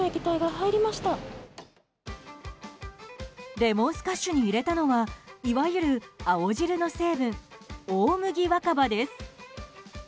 レモンスカッシュに入れたのはいわゆる青汁の成分大麦若葉です。